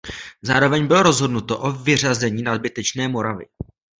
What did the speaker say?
Zároveň bylo rozhodnuto o vyřazení nadbytečné "Moravy".